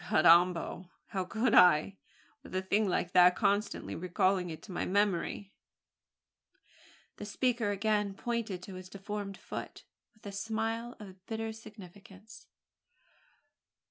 Carrambo! how could I, with a thing like that constantly recalling it to my memory?" The speaker again pointed to his deformed foot with a smile of bitter significance.